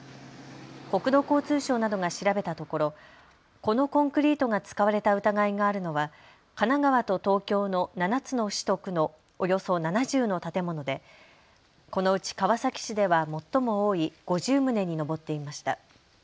国土交通省などが調べたところこのコンクリートが使われた疑いがあるのは神奈川と東京の７つの市と区のおよそ７０の建物でこのうち川崎市では最も多い５０棟に上っていました。